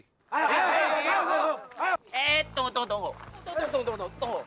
tunggu tunggu tunggu